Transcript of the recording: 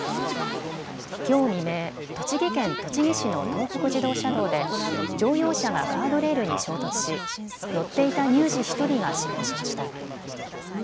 きょう未明、栃木県栃木市の東北自動車道で乗用車がガードレールに衝突し乗っていた乳児１人が死亡しました。